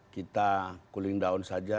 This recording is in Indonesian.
kita kuling daun saja